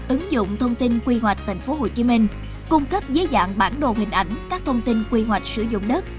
ứng dụng thông tin quy hoạch tp hcm cung cấp giới dạng bản đồ hình ảnh các thông tin quy hoạch sử dụng đất